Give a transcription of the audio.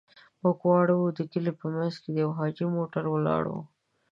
موږ واړه وو، د کلي په منځ کې د يوه حاجي موټر ولاړ و.